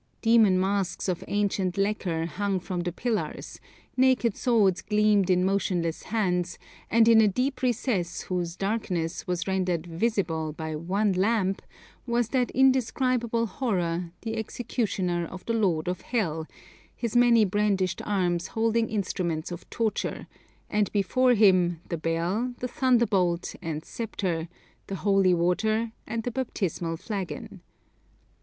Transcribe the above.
Demon masks of ancient lacquer hung from the pillars, naked swords gleamed in motionless hands, and in a deep recess whose 'darkness' was rendered 'visible' by one lamp, was that indescribable horror the executioner of the Lord of Hell, his many brandished arms holding instruments of torture, and before him the bell, the thunderbolt and sceptre, the holy water, and the baptismal flagon.